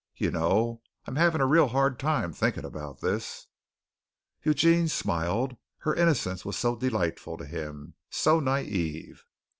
You know I'm having a real hard time thinking about this." Eugene smiled. Her innocence was so delightful to him, so naïve.